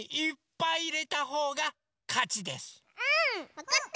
わかった！